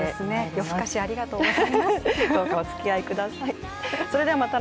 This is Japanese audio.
夜更かしありがとうございます。